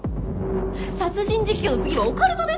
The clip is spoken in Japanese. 殺人実況の次はオカルトですか？